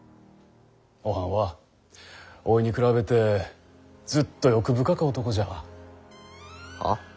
おはんはおいに比べてずっと欲深か男じゃ。